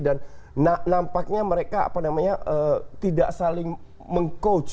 dan nampaknya mereka tidak saling meng coach